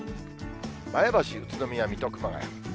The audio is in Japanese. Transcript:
前橋、宇都宮、水戸、熊谷。